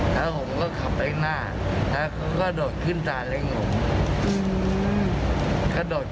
แล้วรถนั่งขึ้นเสร็จหลัง